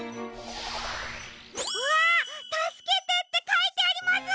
うわ「たすけて」ってかいてあります！